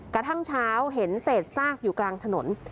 กระทั่งเช้าเห็นเศษซากอยู่กลางถนน